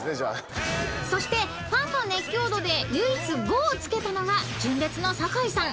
［そしてファンの熱狂度で唯一５を付けたのが純烈の酒井さん。